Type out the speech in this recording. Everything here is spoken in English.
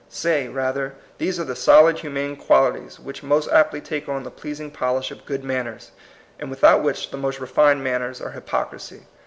Say, rather, these are the solid humane qualities, which most aptly take on the pleasing polish of good manners, and without which the most re fined manners are hypocrisy.